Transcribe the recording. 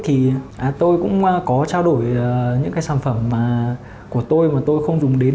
thì tôi cũng có trao đổi những cái sản phẩm mà tôi mà tôi không dùng đến